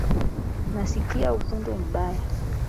Nasikia uvundo mbaya